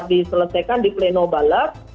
diselesaikan di pleno balap